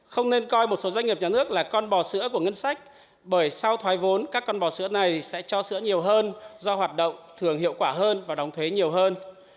không nên coi một số doanh nghiệp nhà nước là con bò sữa của ngân sách bởi sau thoái vốn các con bò sữa này sẽ cho sữa nhiều hơn do hoạt động thường hiệu quả hơn và đóng thuế nhiều hơn